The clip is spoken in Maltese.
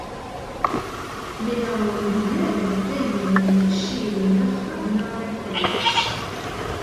Minn hawn u minn hemm dejjem irnexxieli nlaħħaq nagħmel kollox.